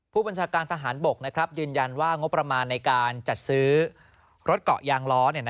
ผู้บัญชาการทหารบกยืนยันว่างบประมาณในการจัดซื้อรถเกาะยางล้อ